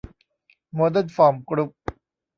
โมเดอร์นฟอร์มกรุ๊ป